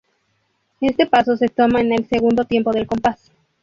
Este paso se toma en el segundo tiempo del compás.